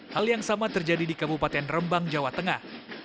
hal yang sama terjadi di kabupaten rembang jawa tengah